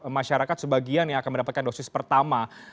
masyarakat sebagian yang akan mendapatkan dosis pertama